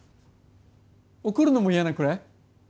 怒るのも嫌なくらい？